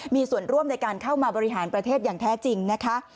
มีส่วนร่วมในการเข้ามาบริหารประเทศอย่างแท้จริงนะคะ